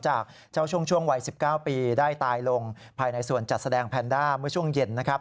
จากเจ้าช่วงวัย๑๙ปีได้ตายลงภายในส่วนจัดแสดงแพนด้าเมื่อช่วงเย็นนะครับ